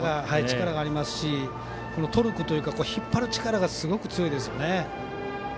力がありますし、引っ張る力がすごく強いですよね。